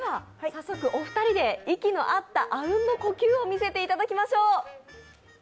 早速お二人であうんの呼吸を見せていただきましょう。